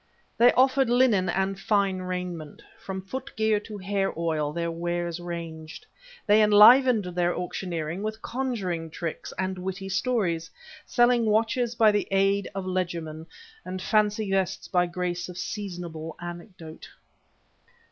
They offered linen and fine raiment; from footgear to hair oil their wares ranged. They enlivened their auctioneering with conjuring tricks and witty stories, selling watches by the aid of legerdemain, and fancy vests by grace of a seasonable anecdote.